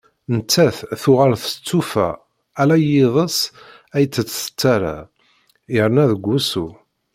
Nettat tuɣal testufa, ala i yiḍes ay tt-tettarra, yerna deg wusu